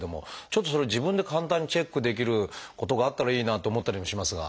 ちょっとそれを自分で簡単にチェックできることがあったらいいなと思ったりもしますが。